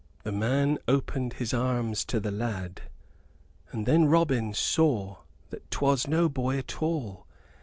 The man opened his arms to the lad, and then Robin saw that 'twas no boy at all.